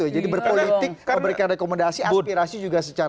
jadi berpolitik memberikan rekomendasi aspirasi juga secara